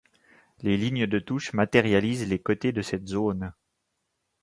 Les lignes de touche matérialisent les côtés de cette zone.